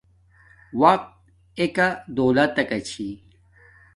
وقت ایکہ دولتکا چھی